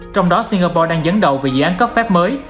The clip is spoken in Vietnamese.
trong đó singapore đang dẫn đầu về dự án cấp phép mới